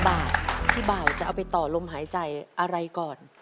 บาทพี่บ่าวจะเอาไปต่อลมหายใจอะไรก่อน